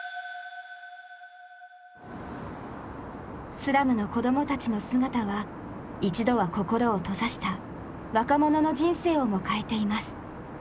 スラムの子供たちの姿は一度は心を閉ざした若者の人生をも変えています。